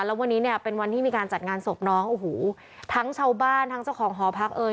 แล้ววันนี้เป็นวันที่มีการจัดงานศพน้องทั้งชาวบ้านทั้งเจ้าของหอพัก